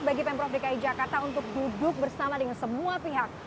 bagi pemprov dki jakarta untuk duduk bersama dengan semua pihak